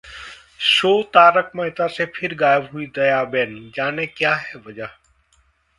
show 'Tarak Mehta..' से फिर गायब हुईं दयाबेन, जानें क्या है वजह